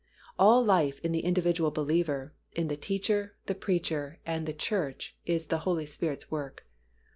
All life in the individual believer, in the teacher, the preacher, and the church is the Holy Spirit's work.